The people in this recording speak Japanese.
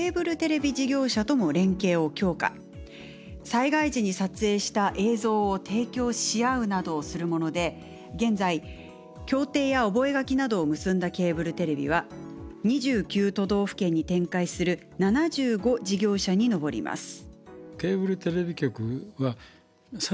災害時に撮影した映像を提供し合うなどをするもので現在協定や覚書などを結んだケーブルテレビは２９都道府県に展開する７５事業者に上ります。